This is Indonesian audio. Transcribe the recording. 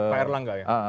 pak erlangga ya